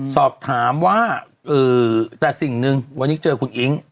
สอบถามว่าแต่สิ่งหนึ่งวันนี้เจอคุณอิ๊ง